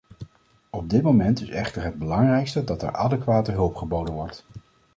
Op dit moment is echter het belangrijkste dat er adequate hulp geboden wordt.